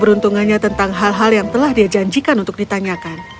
peruntungannya tentang hal hal yang telah dia janjikan untuk ditanyakan